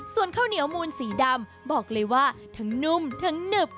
ส่วนข้าวเหนียวมูลสีดำบอกเลยว่าทั้งนุ่มทั้งหนึบ